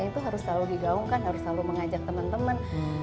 itu harus selalu digaungkan harus selalu mengajak teman teman